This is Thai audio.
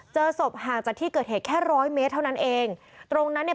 เจอศพห่างจากที่เกิดเหตุแค่ร้อยเมตรเท่านั้นเองตรงนั้นเนี่ย